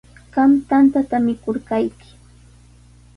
Qam tantata mikurqayki.